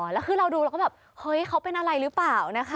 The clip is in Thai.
แล้วคือเราดูเราก็แบบเฮ้ยเขาเป็นอะไรหรือเปล่านะคะ